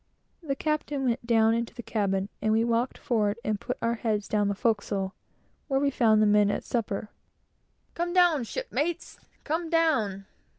The captain went down into the cabin, and we walked forward and put our heads down the forecastle, where we found the men at supper, "Come down, shipmates! Come down!"